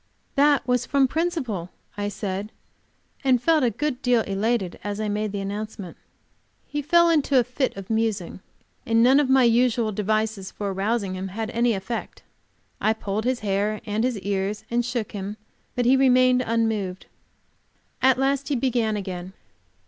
"That was from principle," I said, and felt a good deal elated as I made the announcement. "He fell into a fit of musing, and none of my usual devices for arousing him had any effect. I pulled his hair and his ears, and shook him, but he remained unmoved." At last he began again.